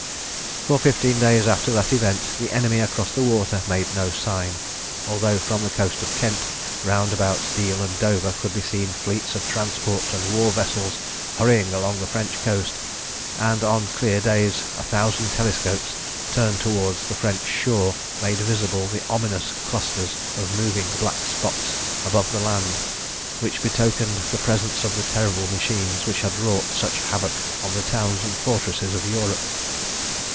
For fifteen days after that event the enemy across the water made no sign, although from the coast of Kent round about Deal and Dover could be seen fleets of transports and war vessels hurrying along the French coast, and on clear days a thousand telescopes turned towards the French shore made visible the ominous clusters of moving black spots above the land, which betokened the presence of the terrible machines which had wrought such havoc on the towns and fortresses of Europe.